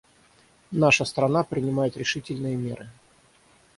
Наша страна принимает решительные меры.